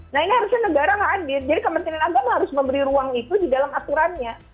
nah ini harusnya negara hadir jadi kementerian agama harus memberi ruang itu di dalam aturannya